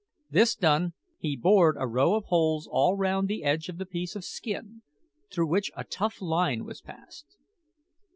This done, he bored a row of holes all round the edge of the piece of skin, through which a tough line was passed.